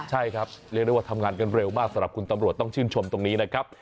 ใช่ครับเรียกได้ว่าทำงานกันเร็วมากสำหรับคุณตำรวจต้องชื่นชมตรงนี้นะครับ